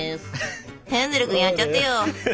ヘンゼル君やっちゃってよ。